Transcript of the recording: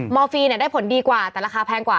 มฟรีเนี่ยได้ผลดีกว่าแต่ราคาแพงกว่า